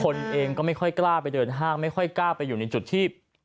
คนเองก็ไม่ค่อยกล้าไปเดินห้างไม่ค่อยกล้าไปอยู่ในจุดที่